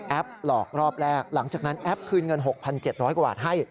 หลอกรอบแรกหลังจากนั้นแอปคืนเงิน๖๗๐๐กว่าบาทให้